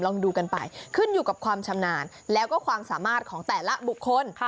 ลองดูกันไปขึ้นอยู่กับความชำนาญแล้วก็ความสามารถของแต่ละบุคคล